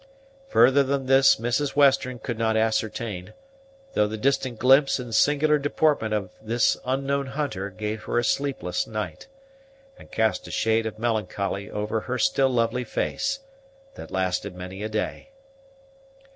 Further than this Mrs. Western could not ascertain; though the distant glimpse and singular deportment of this unknown hunter gave her a sleepless night, and cast a shade of melancholy over her still lovely face, that lasted many a day.